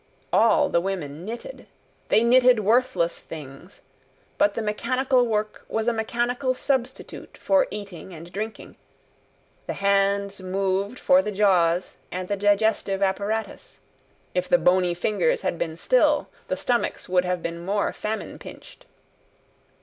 All the women knitted. They knitted worthless things; but, the mechanical work was a mechanical substitute for eating and drinking; the hands moved for the jaws and the digestive apparatus: if the bony fingers had been still, the stomachs would have been more famine pinched.